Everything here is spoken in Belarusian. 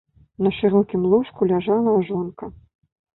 На шырокім ложку ляжала жонка.